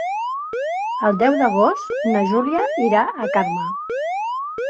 El deu d'agost na Júlia irà a Carme.